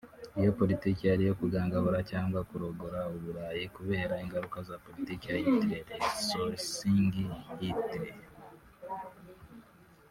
Iyo politiki yari iyo kugangahura cyangwa kurogora u Burayi kubera ingaruka za politiki ya Hitler (Exorcising Hitler)